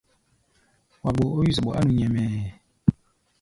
Wa gboo ó wí-zɔɓɔ á nu nyɛmɛɛ.